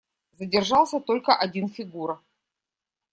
Задержался только один Фигура.